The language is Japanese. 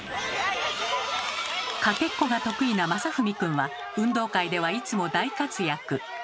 かけっこが得意なまさふみくんは運動会ではいつも大活躍。